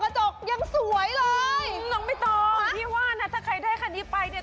กระจกยังสวยเลยน้องมิตอนี่ว่าน่ะถ้าใครได้คันดีไปเนี่ย